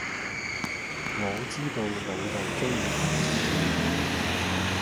我知道老豆鍾意睇既戲